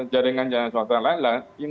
jaringan jaringan suatu lain lagi